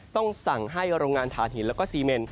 ต้องสั่งให้โรงงานฐานหินแล้วก็ซีเมน